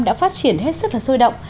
đã phát triển hết sức là sôi động